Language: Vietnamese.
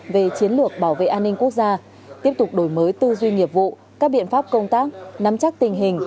về chiến lược bảo vệ an ninh quốc gia tiếp tục đổi mới tư duy nghiệp vụ các biện pháp công tác nắm chắc tình hình